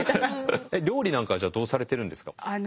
料理なんかはどうされてるんですか？